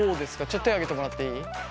ちょっと手を挙げてもらっていい？